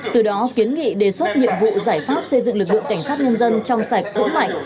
từ đó kiến nghị đề xuất nhiệm vụ giải pháp xây dựng lực lượng cảnh sát nhân dân trong sạch vững mạnh